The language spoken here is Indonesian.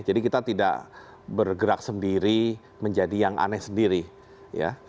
jadi kita tidak bergerak sendiri menjadi yang aneh sendiri ya